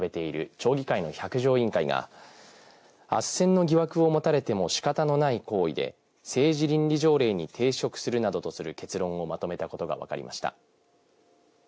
町議会の百条委員会があっせんの疑惑を持たれても仕方のない行為で政治倫理条例に抵触するなどとする結論をまとめたことが分かりました。